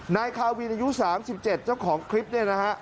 นายคาวินอายุ๓๗เจ้าของคลิปเนี่ยนะฮะ